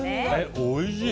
おいしい！